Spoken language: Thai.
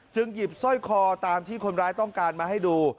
หยิบสร้อยคอตามที่คนร้ายต้องการมาให้ดู